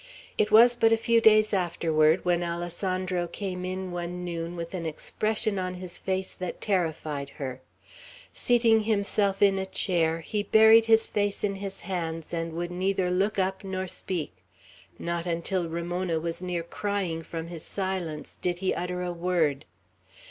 It was but a few days afterward, when Alessandro came in one noon with an expression on his face that terrified her; seating himself in a chair, he buried his face in his hands, and would neither look up nor speak; not until Ramona was near crying from his silence, did he utter a word.